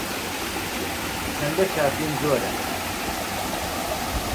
چەندە کافین زۆرە؟